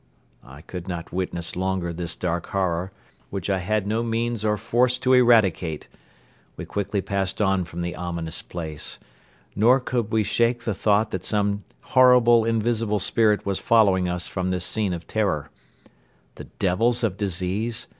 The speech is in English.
I could not witness longer this dark horror, which I had no means or force to eradicate. We quickly passed on from the ominous place. Nor could we shake the thought that some horrible invisible spirit was following us from this scene of terror. "The devils of disease?"